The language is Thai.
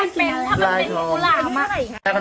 นี่เห็นจริงตอนนี้ต้องซื้อ๖วัน